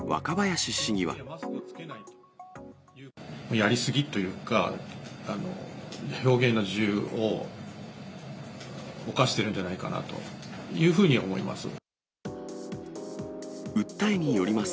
やり過ぎというか、表現の自由を侵してるんじゃないかなというふうに思います。